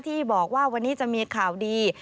ที่บอกว่าวันนี้จะมีข่าวดี